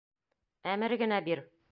Әмер генә бир!